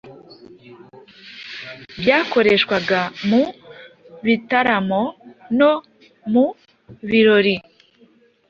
byakoreshwaga mu bitaramo no mu birori.